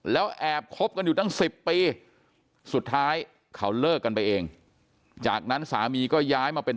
แล้วแอบคบกันอยู่ตั้ง๑๐ปีสุดท้ายเขาเลิกกันไปเองจากนั้นสามีก็ย้ายมาเป็น